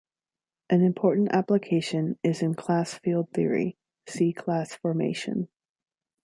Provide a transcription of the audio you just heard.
An important application is in class field theory, see class formation.